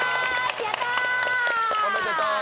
やったー！